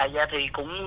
dạ thì cũng